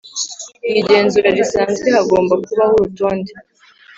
Mu igenzura risanzwe hagomba kubaho urutonde